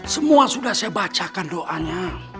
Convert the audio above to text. semua sudah saya bacakan doanya